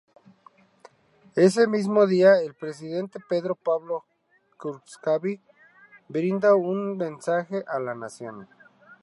Ese mismo día el presidente Pedro Pablo Kuczynski brinda un mensaje a la Nación.